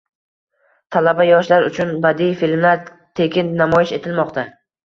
Talaba-yoshlar uchun badiiy filmlar tekin namoyish etilmoqda